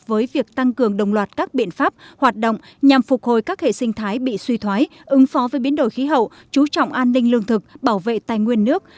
với việc tăng cường đồng loạt các biện pháp hoạt động nhằm phục hồi các hệ sinh thái bị suy thoái ứng phó với biến đổi khí hậu chú trọng an ninh lương thực bảo vệ tài nguyên nước